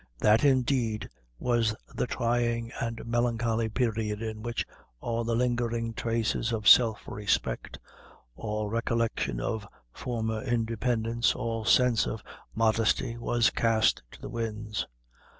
That, indeed, was the trying and melancholy period in which all the lingering traces of self respect all recollection of former independence all sense of modesty was cast to the winds.